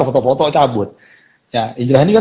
foto foto cabut ya ijrah ini kan